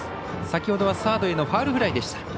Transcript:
先ほどはサードへのファウルフライでした。